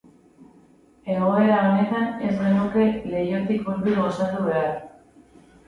Egoera honetan, ez genuke lehiotik hurbil gosaldu behar.